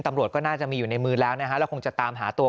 ตำรวจก็น่าจะมีอยู่ในมือแล้วนะฮะแล้วคงจะตามหาตัว